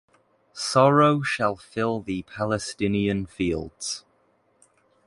Sorrow shall fill the Palestinian fields.